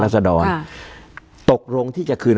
การแสดงความคิดเห็น